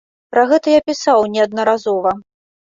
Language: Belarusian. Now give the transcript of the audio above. Пра гэта я пісаў неаднаразова.